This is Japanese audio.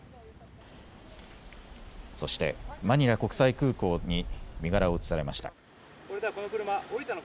そしてマニラ国際空港に身柄を移されました。